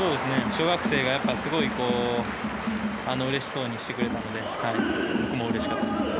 小学生がやっぱりすごいうれしそうにしてくれたので僕もうれしかったです。